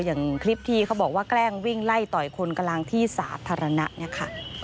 อย่างคลิปที่เขาบอกว่าแกล้งวิ่งไล่ต่อยคนกำลังที่สาธารณะเนี่ยค่ะ